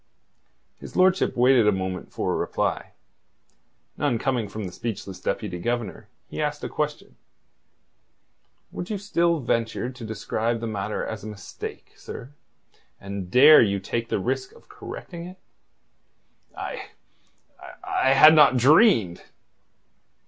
His lordship waited a moment for a reply. None coming from the speechless Deputy Governor, he asked a question: "Would you still venture to describe the matter as a mistake, sir? And dare you take the risk of correcting it?" "I... I had not dreamed...."